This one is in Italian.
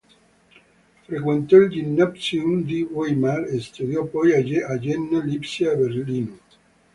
Frequentò il Gymnasium di Weimar e studiò poi a Jena, Lipsia e Berlino.